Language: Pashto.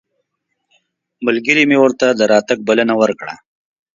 ملګري مې ورته د راتګ بلنه ورکړه.